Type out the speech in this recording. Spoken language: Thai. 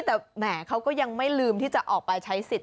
แต่แหมเขาก็ยังไม่ลืมที่จะออกไปใช้สิทธิ